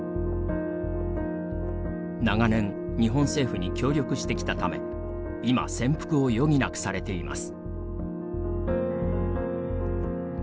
長年日本政府に協力してきたため今、潜伏を余儀なくされています。